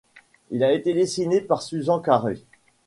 Il a été dessiné par Susan Kare.